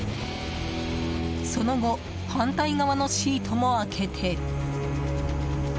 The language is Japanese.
その後反対側のシートも開けて。